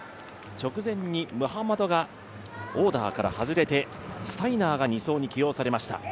直前にムハマドがオーダーから外れてスタイナーが２走に起用されました